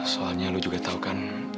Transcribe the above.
soalnya lu juga tahu kan